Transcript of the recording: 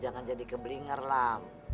jangan jadi keblinger lah